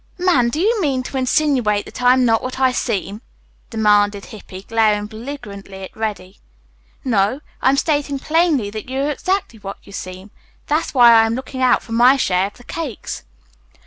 "Man, do you mean to insinuate that I am not what I seem?" demanded Hippy, glaring belligerently at Reddy. "No, I am stating plainly that you are exactly what you seem. That's why I am looking out for my share of the cakes."